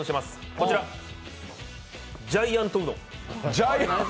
こちら、ジャイアントウノ。